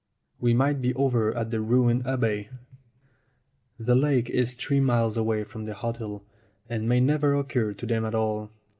We might be over at the ruined abbey. The lake is three miles away from the hotel, and may never occur to them at all.